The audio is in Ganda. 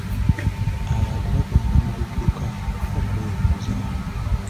Abantu bagenda mu biduuka okwewummuzaamu.